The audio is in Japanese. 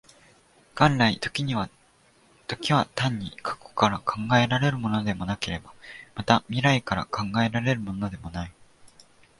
元来、時は単に過去から考えられるものでもなければ、また未来から考えられるものでもない。